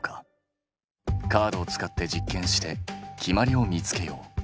カードを使って実験して決まりを見つけよう。